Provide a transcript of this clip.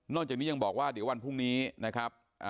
จากนี้ยังบอกว่าเดี๋ยววันพรุ่งนี้นะครับ